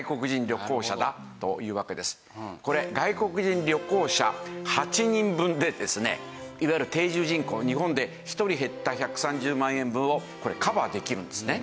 これ外国人旅行者８人分でですねいわゆる定住人口日本で１人減った１３０万円分をカバーできるんですね。